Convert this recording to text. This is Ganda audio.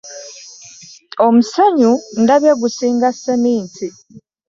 Omusenyu ndabye gusinga seminti.